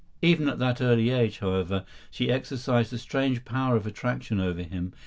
Even at that early age, however, she exercised a strange power of attraction over him.